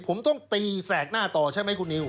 ผมต้องตีแสกหน้าต่อใช่ไหมคุณนิว